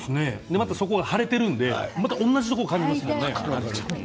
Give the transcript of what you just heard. またそこが腫れているのでまた同じところをかみますね。